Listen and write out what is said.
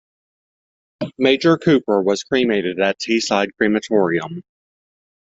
Major Cooper was cremated at Teesside Crematorium.